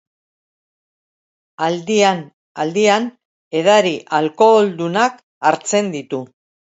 Aldian-aldian edari alkoholdunak hartzen ditu.